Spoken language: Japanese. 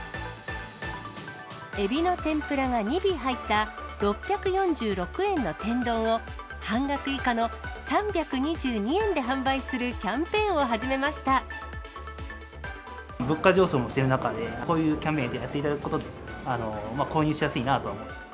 エビの天ぷらが２尾入った、６４６円の天丼を、半額以下の３２２円で販売するキャンペーン物価上昇もしている中で、こういうキャンペーンをやっていただくことで、購入しやすいなあと。